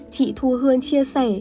chị thu hương chia sẻ